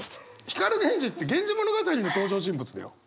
光源氏って「源氏物語」の登場人物だよ。